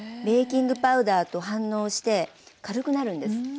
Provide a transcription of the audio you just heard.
ベーキングパウダーと反応して軽くなるんです。